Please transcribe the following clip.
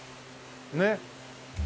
ねっ。